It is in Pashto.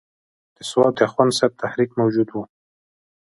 د سوات د اخوند صاحب تحریک موجود وو.